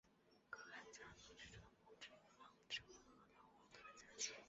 可汗家族居住的宫城有两个城门和瞭望塔加强警戒。